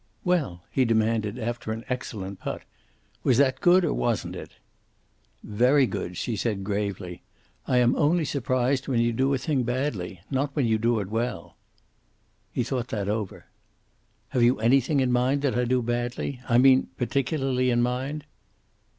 "Well?" he demanded, after an excellent putt. "Was that good or wasn't it?" "Very good," she said gravely. "I am only surprised when you do a thing badly. Not when you do it well." He thought that over. "Have you anything in mind that I do badly? I mean, particularly in mind."